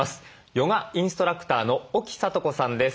ヨガインストラクターの沖知子さんです。